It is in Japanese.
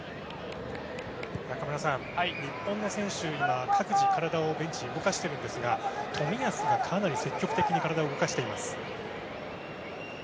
中村さん、日本の選手が各自体をベンチで動かしているんですが冨安がかなり積極的に体を動かしています。